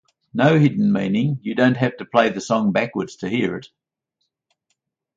No hidden meaning; you don't have to play the song backwards to hear it.